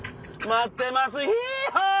待ってますヒハ！